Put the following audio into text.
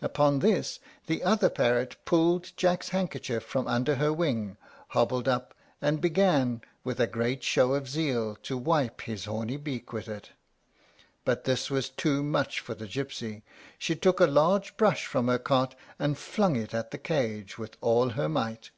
Upon this the other parrot pulled Jack's handkerchief from under her wing, hobbled up, and began, with a great show of zeal, to wipe his horny beak with it. But this was too much for the gypsy; she took a large brush from her cart, and flung it at the cage with all her might.